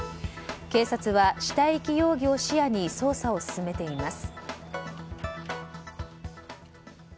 警察は死体遺棄容疑を視野に捜査を進めています。